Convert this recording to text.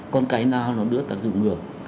còn cái nào nó đưa tác dụng ngược